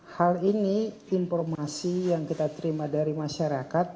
hal ini informasi yang kita terima dari masyarakat